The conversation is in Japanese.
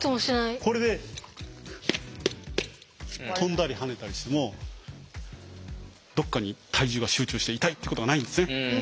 これで跳んだり跳ねたりしてもどっかに体重が集中して痛いっていうことがないんですね。